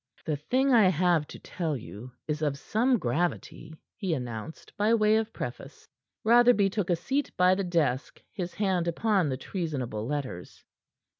"The thing I have to tell you is of some gravity," he announced by way of preface. Rotherby took a seat by the desk, his hand upon the treasonable letters.